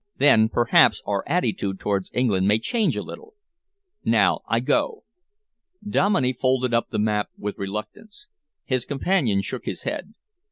Then perhaps our attitude towards England may change a little! Now I go." Dominey folded up the map with reluctance. His companion shook his head.